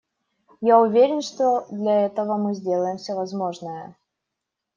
Я уверен, что для этого мы сделаем все возможное.